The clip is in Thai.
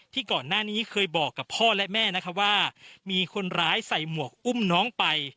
ก่อนหน้านี้เคยบอกกับพ่อและแม่นะคะว่ามีคนร้ายใส่หมวกอุ้มน้องไป